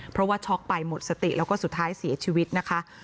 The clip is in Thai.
เพราะว่าช็อกไปหมดสติแล้วก็สุดท้ายเสียชีวิตนะคะ